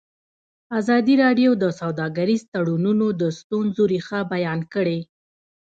ازادي راډیو د سوداګریز تړونونه د ستونزو رېښه بیان کړې.